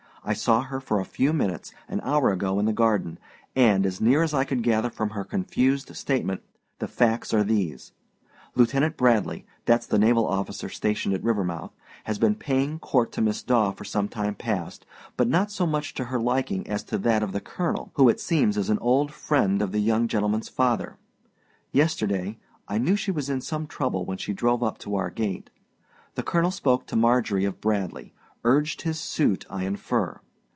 I saw her for a few minutes, an hour ago, in the garden; and, as near as I could gather from her confused statement, the facts are these: Lieutenant Bradly thatâs the naval officer stationed at Rivermouth has been paying court to Miss Daw for some time past, but not so much to her liking as to that of the colonel, who it seems is an old fiend of the young gentlemanâs father. Yesterday (I knew she was in some trouble when she drove up to our gate) the colonel spoke to Marjorie of Bradly urged his suit, I infer.